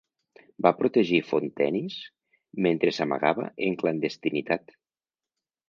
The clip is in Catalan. Va protegir Fontenis mentre s'amagava en clandestinitat.